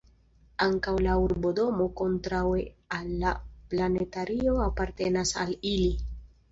Ankaŭ la urbodomo kontraŭe al la planetario apartenas al ili.